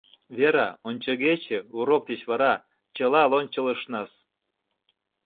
— Вера, ончыгече, урок деч вара, чыла лончылышнас.